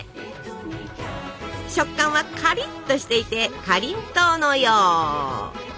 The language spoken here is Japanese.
食感はかりっとしていてかりんとうのよう！